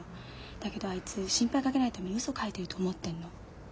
だけどあいつ心配かけないためにうそ書いてると思ってんの。